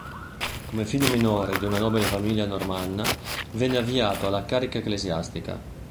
Come figlio minore di una nobile famiglia normanna, venne avviato alla carriera ecclesiastica.